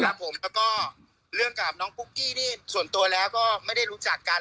ครับผมแล้วก็เรื่องกับน้องปุ๊กกี้นี่ส่วนตัวแล้วก็ไม่ได้รู้จักกัน